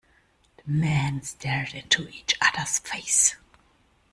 The men stared into each other's face.